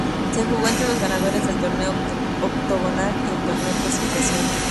Se jugó entre los ganadores del Torneo Octogonal y el Torneo Clasificación.